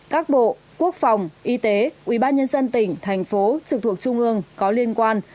các bộ quốc phòng y tế ubnd tỉnh thành phố trực thuộc trung ương có liên quan